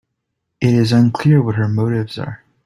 It is unclear what her motives are.